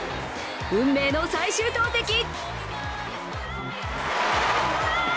運命の最終投てき。